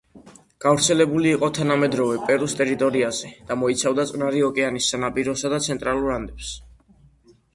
გავრცელებული იყო თანამედროვე პერუს ტერიტორიაზე და მოიცავდა წყნარი ოკეანის სანაპიროსა და ცენტრალურ ანდებს.